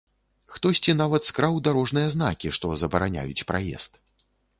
Хтосьці нават скраў дарожныя знакі, што забараняюць праезд.